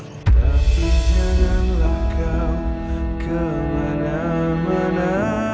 tapi janganlah kau kemana mana